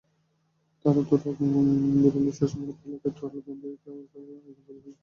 তাঁরা তুরাগ নদের বিরুলিয়ার শ্মশানঘাট এলাকায় ট্রলার বেঁধে খাওয়ার আয়োজন করছিলেন।